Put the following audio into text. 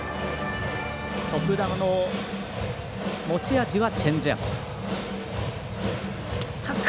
徳田の持ち味はチェンジアップ。